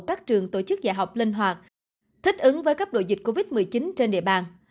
các trường tổ chức dạy học linh hoạt thích ứng với cấp độ dịch covid một mươi chín trên địa bàn